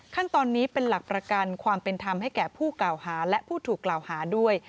ขั้นตอนนี้เป็นหลักประกันความเป็นธรรมให้แก่ผู้กล่าวหาและผู้ถูกกล่าวหาด้วย